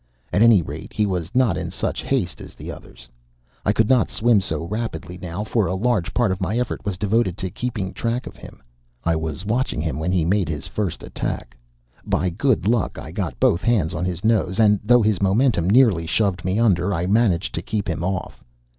At any rate, he was not in such haste as the others. I could not swim so rapidly now, for a large part of my effort was devoted to keeping track of him. I was watching him when he made his first attack. By good luck I got both hands on his nose, and, though his momentum nearly shoved me under, I managed to keep him off.